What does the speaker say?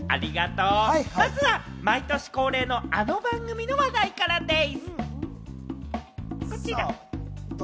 まずは毎年恒例のあの番組の話題からでぃす！